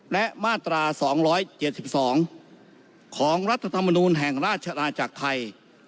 และมาตรา๒๗๒ของรัฐธรรมนูลแห่งราชอาจักรไทย